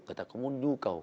người ta có một nhu cầu